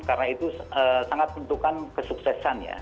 karena itu sangat menentukan kesuksesan ya